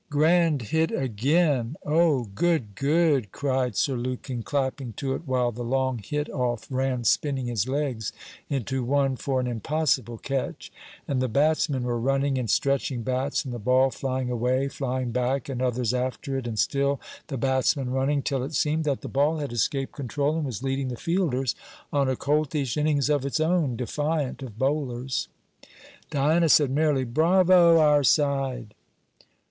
'Grand hit again! Oh! good! good!' cried Sir Lukin, clapping to it, while the long hit off ran spinning his legs into one for an impossible catch; and the batsmen were running and stretching bats, and the ball flying away, flying back, and others after it, and still the batsmen running, till it seemed that the ball had escaped control and was leading the fielders on a coltish innings of its own, defiant of bowlers. Diana said merrily: 'Bravo our side!'